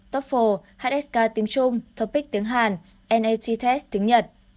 toefl hsk tiếng trung topic tiếng hàn nhts tiếng nhật